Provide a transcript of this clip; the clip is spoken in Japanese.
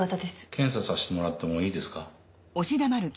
検査させてもらってもいいですか？